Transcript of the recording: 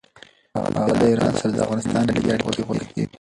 هغه د ایران سره د افغانستان نېږدې اړیکې غوښتې.